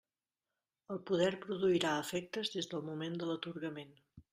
El poder produirà efectes des del moment de l'atorgament.